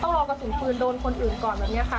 รอกระสุนปืนโดนคนอื่นก่อนแบบนี้ค่ะ